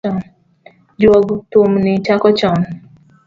Juog thum ni chaka chon.